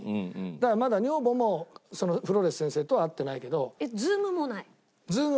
だからまだ女房もフローレス先生と会ってないけど。